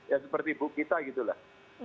ya seperti bu kita gitu lah